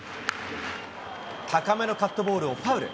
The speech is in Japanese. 高めのカットボールをファウル。